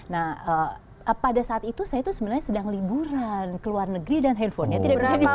nah pada saat itu saya itu sebenarnya sedang liburan ke luar negeri dan handphonenya tidak berani